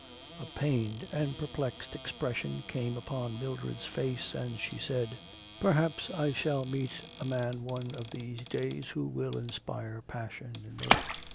A pained and perplexed expression came upon Mildred's face and she said: 'Perhaps I shall meet a man one of these days who will inspire passion in me.'